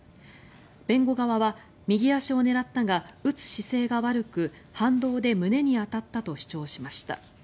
弁護側は右足を狙ったが撃つ姿勢が悪く反動で胸に当たったと主張しました。